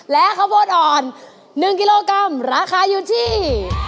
และข้าวโพดอ่อน๑กิโลกรัมราคาอยู่ที่